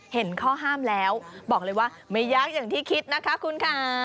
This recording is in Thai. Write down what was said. เห็นข้อห้ามแล้วบอกเลยว่าไม่ยากอย่างที่คิดนะคะคุณค่ะ